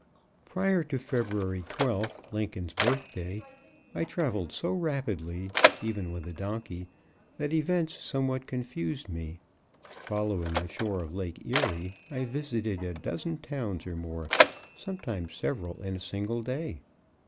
Prior to February 12, Lincoln's Birthday, I traveled so rapidly (even with a donkey), that events somewhat confused me; following the shore of Lake Erie, I visited a dozen towns or more, sometimes several in a single day.